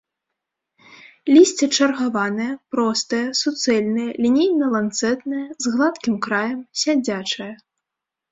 Лісце чаргаванае, простае, суцэльнае, лінейна-ланцэтнае, з гладкім краем, сядзячае.